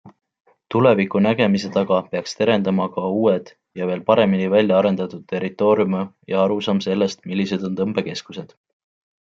Tuleviku nägemise taga peaks terendama ka uued ja veel paremini välja arendatud territooriumid ja arusaam sellest, millised on tõmbekeskused.